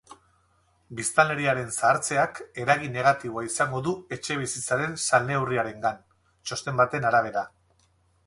Biztanleriaren zahartzeak eragin negatiboa izango du etxebizitzaren salneurriarengan, txosten baten arabera.